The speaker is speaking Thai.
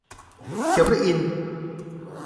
เขียวพระอินทร์